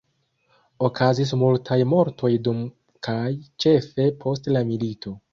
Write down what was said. Okazis multaj mortoj dum kaj ĉefe post la milito.